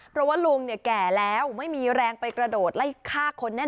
เพราะว่าลุงเนี่ยแก่แล้วไม่มีแรงไปกระโดดไล่ฆ่าคนแน่